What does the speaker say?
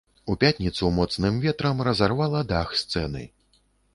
У пятніцу моцным ветрам разарвала дах сцэны.